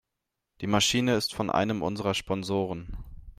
Die Maschine ist von einem unserer Sponsoren.